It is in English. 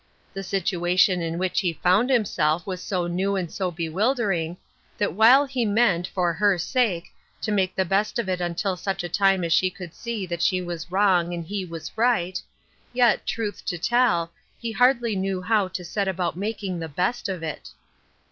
The situa tion in which he found himself was so new and 80 bewildering, that while he meant, for her sake, to make the best of it until such time as she should see that she was wrong and he right, yet, truth to tell, he hardly knew how to set about making the best of it.